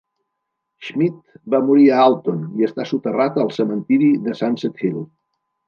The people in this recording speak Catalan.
Smith va morir a Alton i està soterrat al cementiri de Sunset Hill.